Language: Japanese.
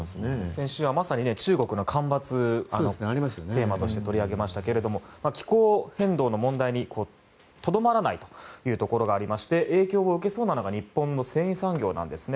先週は中国の干ばつをテーマとして取り上げましたが気候変動の問題にとどまらないというところがありまして影響を受けそうなのが日本の繊維産業なんです。